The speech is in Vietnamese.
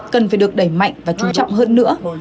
cần phải được đẩy mạnh và chú trọng hơn nữa